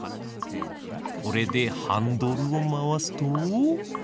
これでハンドルをまわすと。